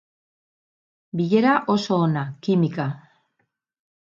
Bilera oso ona, kimika.